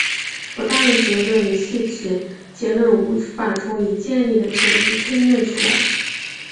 不当结论系指结论无法从已建立的前提推论出来。